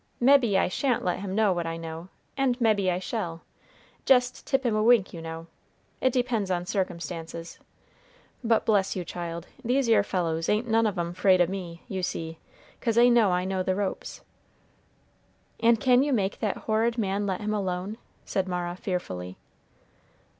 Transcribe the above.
Mebbe I sha'n't let him know what I know, and mebbe I shall; jest tip him a wink, you know; it depends on circumstances. But bless you, child, these 'ere fellers ain't none of 'em 'fraid o' me, you see, 'cause they know I know the ropes." "And can you make that horrid man let him alone?" said Mara, fearfully.